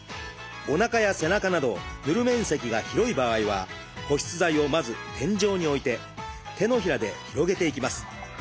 おなかや背中など塗る面積が広い場合は保湿剤をまず点状に置いて手のひらで広げていきます。